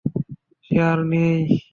সে আর নেই!